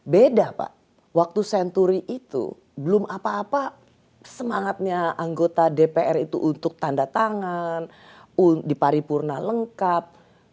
beda pak waktu senturi itu belum apa apa semangatnya anggota dpr itu untuk tanda tangan di paripurna lengkap